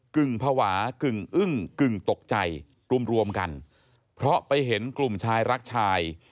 กึ่งภาวะกึ่งอึ้งกึ่งตกใจรวมรวมกันเพราะไปเห็นกลุ่มชายรักชาย